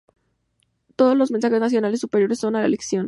Todos los mensajes nacionales superiores son a elección.